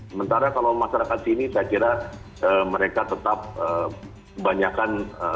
sementara kalau masyarakat sini saya kira mereka tetap kebanyakan